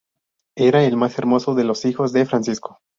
Era el más hermoso de los hijos de Francisco.